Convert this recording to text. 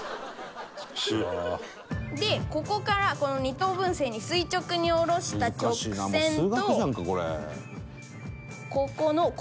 でここから二等分線に垂直に下ろした直線と。